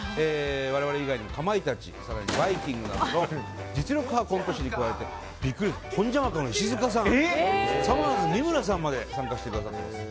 我々以外にもかまいたち、バイきんぐなど実力派コント師に加えてホンジャマカの石塚さんさまぁず三村さんまで参加してくださってます。